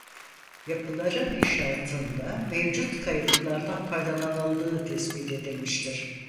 Yapıların inşasında mevcut kayalıklardan faydalanıldığı tespit edilmiştir.